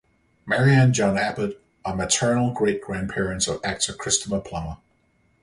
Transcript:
Mary and John Abbott are maternal great-grandparents of actor Christopher Plummer.